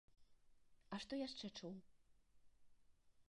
А што яшчэ чуў?